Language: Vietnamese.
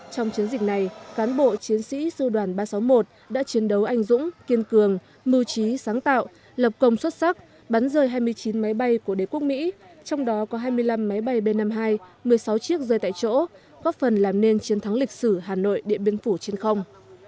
trong chiến dịch này cán bộ chiến sĩ sư đoàn ba trăm sáu mươi một đã chiến đấu anh dũng kiên cường mưu trí sáng tạo lập công xuất sắc bắn rơi hai mươi chín máy bay của đế quốc mỹ trong đó có hai mươi năm máy bay b năm mươi hai một mươi sáu chiếc rơi tại chỗ góp phần làm nên chiến thắng lịch sử hà nội điện biên phủ trên không